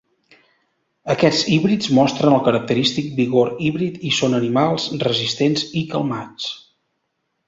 Aquests híbrids mostren el característic vigor híbrid i són animals resistents i calmats.